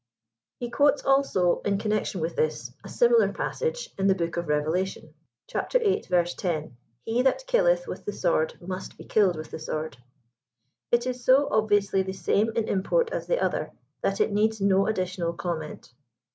He quotes also, in connection with this, a similar passage in the book of Revelation; (xiii. 10) "he that killeth with the sword must be killed with the sword." It is so obviously the same in import as the other, that it needs no additional com ment.